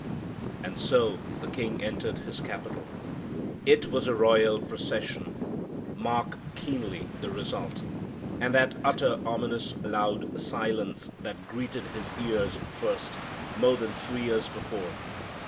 " And so the King entered His capital. It was a royal procession. Mark keenly the result. Again that utter, ominous, loud silence, that greeted His ears first, more than three years before.